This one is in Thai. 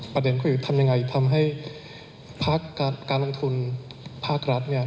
ประเด็นคือทำอย่างไรทำให้การลงทุนภาครัฐนี่